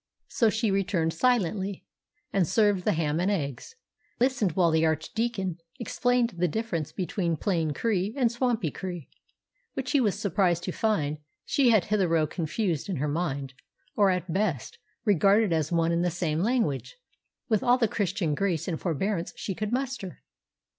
So she returned silently, and served the ham and eggs, and listened while the Archdeacon explained the difference between Plain Cree and Swampy Cree (which, he was surprised to find, she had hitherto confused in her mind, or at best regarded as one and the same language) with all the Christian grace and forbearance she could muster.